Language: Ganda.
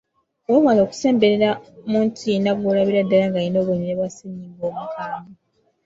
Weewale okusemberera muntu yenna gw’olabira ddala ng’alina obubonero bwa ssennyiga omukambwe.